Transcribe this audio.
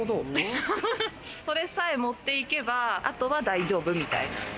それさえ持っていけば、あとは大丈夫みたいな。